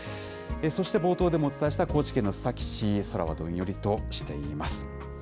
そして冒頭でもお伝えした高知県の須崎市、空はどんよりとしています。